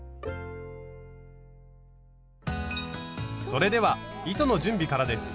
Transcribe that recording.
それでは糸の準備からです。